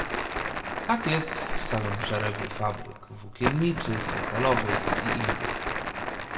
"Tak jest w całym szeregu fabryk włókienniczych, metalowych i innych."